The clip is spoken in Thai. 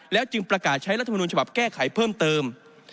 จึงประกาศใช้รัฐมนุนฉบับแก้ไขเพิ่มเติม